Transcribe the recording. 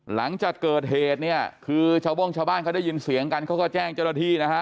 หลังจากเกิดเหตุเนี่ยคือชาวโบ้งชาวบ้านเขาได้ยินเสียงกันเขาก็แจ้งเจ้าหน้าที่นะฮะ